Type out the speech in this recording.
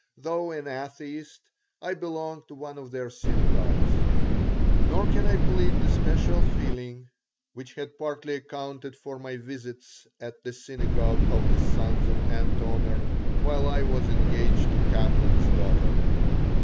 Though an atheist, I belong to one of their synagogues. Nor can I plead the special feeling which had partly accounted for my visits at the synagogue of the Sons of Antomir while I was engaged to Kaplan's daughter.